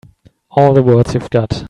All the words you've got.